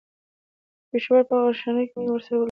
د پېښور په هشنغرۍ کې مې ورسره وليدل.